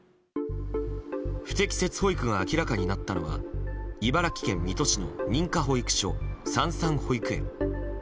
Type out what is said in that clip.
不適切保育が明らかになったのは茨城県水戸市の認可保育所さんさん保育園。